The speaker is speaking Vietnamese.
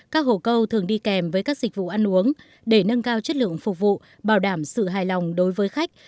các hồ câu thường đi kèm với các dịch vụ ăn uống để nâng cao chất lượng phục vụ bảo đảm sự hài lòng đối với khách